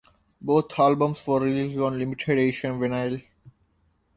Both albums were released on limited edition vinyl.